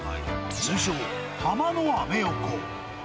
通称、ハマのアメ横。